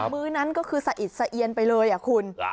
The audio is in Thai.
มื้อนั้นก็คือสะอิดสะเอียนไปเลยคุณ